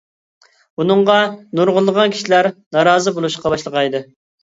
بۇنىڭغا نۇرغۇنلىغان كىشىلەر نارازى بولۇشقا باشلىغان ئىدى.